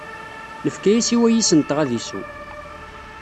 Nefka-as i wayis-nteɣ ad isew.